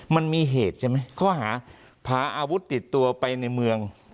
มันมีเหตุใช่ไหมข้อหาพาอาวุธติดตัวไปในเมือง